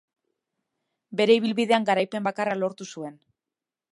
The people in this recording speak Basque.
Bere ibilbidean garaipen bakarra lortu zuen.